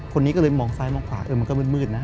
คนนี้ก็เลยมองซ้ายมองขวาเออมันก็มืดนะ